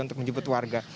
untuk menjemput warga